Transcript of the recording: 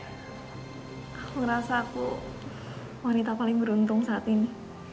aku ngerasa aku wanita paling beruntung saat ini